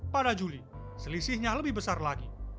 pada juli selisihnya lebih besar lagi